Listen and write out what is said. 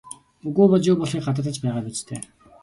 Үгүй бол юу болохыг гадарлаж байгаа биз дээ?